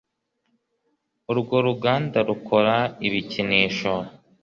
urwo ruganda rukora ibikinisho